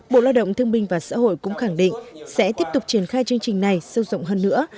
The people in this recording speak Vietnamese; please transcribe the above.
bộ lao động thương minh và xã hội cũng khẳng định sẽ tiếp tục triển khai chương trình này sâu rộng hơn nữa